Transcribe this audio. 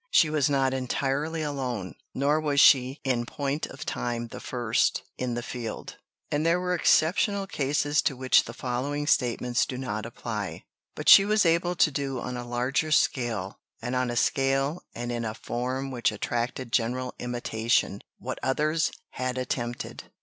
She was not entirely alone, nor was she in point of time the first, in the field; and there were exceptional cases to which the following statements do not apply. But she was able to do on a larger scale, and on a scale and in a form which attracted general imitation, what others had attempted.